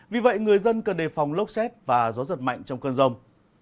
vì vậy người dân cần đề phòng lốc xét và gió giật mạnh trong cơn rông